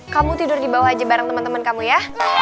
kamu tidur di bawah aja bareng temen temen kamu ya